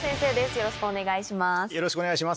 よろしくお願いします。